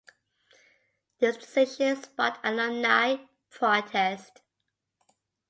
This decision sparked alumni protest.